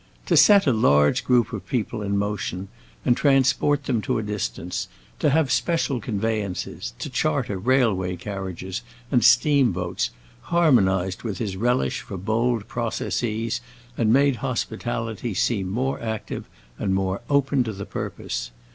To set a large group of people in motion and transport them to a distance, to have special conveyances, to charter railway carriages and steamboats, harmonized with his relish for bold processes, and made hospitality seem more active and more to the purpose.